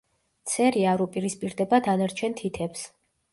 ცერი არ უპირისპირდება დანარჩენ თითებს.